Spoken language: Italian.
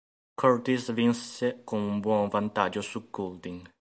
Curtis vinse con un buon vantaggio su Goulding.